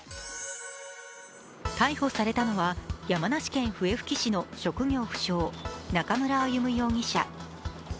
逮捕されたのは山梨県笛吹市の職業不詳、中村歩武容疑者。